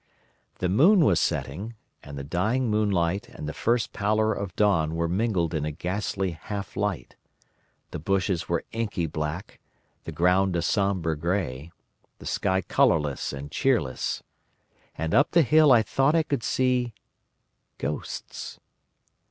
"The moon was setting, and the dying moonlight and the first pallor of dawn were mingled in a ghastly half light. The bushes were inky black, the ground a sombre grey, the sky colourless and cheerless. And up the hill I thought I could see ghosts.